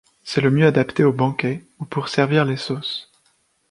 C’est le mieux adapté aux banquets, ou pour servir les sauces.